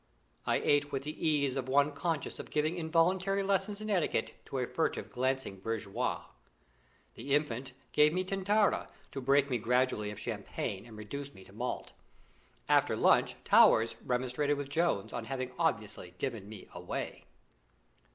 I ate with the ease of one conscious of giving involuntary lessons in etiquette to a furtive glancing bourgeoisie. The Infant gave me Tintara, to break me gradually of champagne and reduce me to malt. After lunch Towers remonstrated with Jones on having obviously given me away.